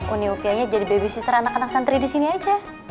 uni upianya jadi babysitter anak anak santri disini aja